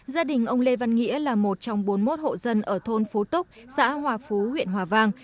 gia đình ông lê văn nghĩa là một trong bốn mươi một hộ dân ở thôn phú túc xã hòa phú huyện hòa vang